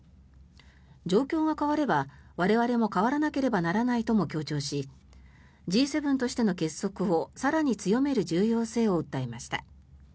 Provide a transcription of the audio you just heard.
状況が変われば我々も変わらなければならないとも強調しＧ７としての結束を更に強める重要性を訴えました。